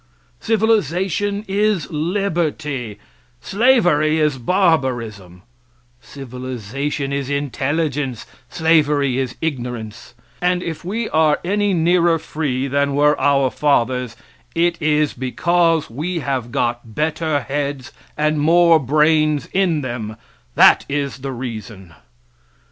Civilization is liberty, slavery is barbarism; civilization is intelligence, slavery is ignorance; and if we are any nearer free than were our fathers, it is because we have got better heads and more brains in them that is the reason.